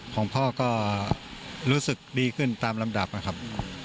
ของพ่อก็รู้สึกดีขึ้นตามลำดับนะครับ